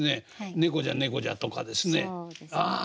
「猫じゃ猫じゃ」とかですねああ